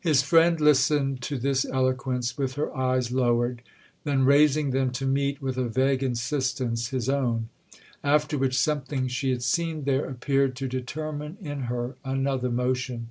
His friend listened to this eloquence with her eyes lowered, then raising them to meet, with a vague insistence, his own; after which something she had seen there appeared to determine in her another motion.